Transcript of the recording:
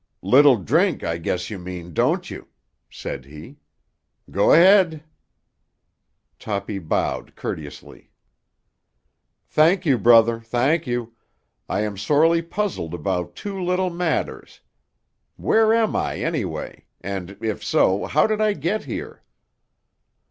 "Little drink, I guess you mean, don't you?" said he. "Go 'head." Toppy bowed courteously. "Thank you, brother, thank you. I am sorely puzzled about two little matters—where am I anyway, and if so, how did I get here?"